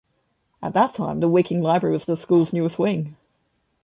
At that time, the Wicking Library was the school's newest wing.